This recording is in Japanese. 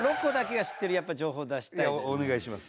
お願いします